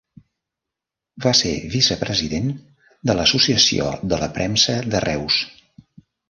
Va ser vicepresident de l'Associació de la Premsa de Reus.